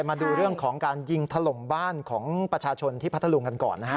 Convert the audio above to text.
มาดูเรื่องของการยิงถล่มบ้านของประชาชนที่พัทธรุงกันก่อนนะฮะ